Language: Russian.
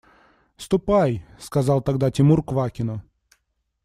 – Ступай, – сказал тогда Тимур Квакину.